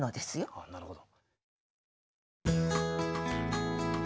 あっなるほど。